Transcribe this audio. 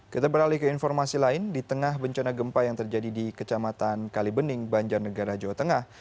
kita beralih ke informasi lain di tengah bencana gempa yang terjadi di kecamatan kalibening banjarnegara jawa tengah